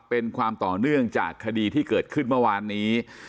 เป็นความต่อเนื่องจากคดีที่เกิดขึ้นเมื่อวานนี้